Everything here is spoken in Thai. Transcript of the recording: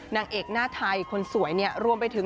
นางเอกหน้าไทยคนสวยเนี่ยรวมไปถึง